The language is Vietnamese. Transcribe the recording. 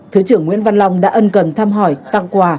thứ trưởng nguyễn văn long đã ân cần thăm hỏi tặng quà